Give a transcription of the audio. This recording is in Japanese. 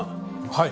はい。